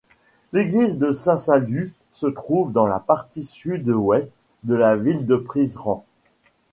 L'église du Saint-Salut se trouve dans la partie sud-ouest de la ville de Prizren.